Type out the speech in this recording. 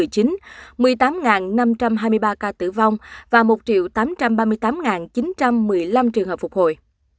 một mươi tám năm trăm hai mươi ba ca tử vong và một tám trăm ba mươi tám chín trăm một mươi năm trường hợp phục hồi